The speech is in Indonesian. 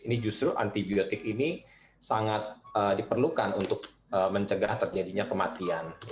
ini justru antibiotik ini sangat diperlukan untuk mencegah terjadinya kematian